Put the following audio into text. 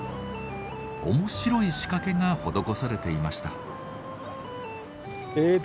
面白い仕掛けが施されていました。